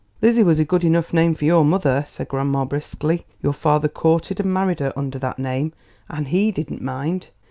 "Lizzie was a good enough name for your mother," said grandma briskly. "Your father courted and married her under that name, and he didn't mind."